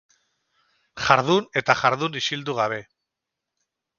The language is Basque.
Jardun eta jardun isildu gabe.